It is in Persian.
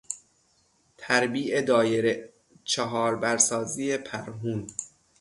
تربیع دایره، چهاربر سازی پرهون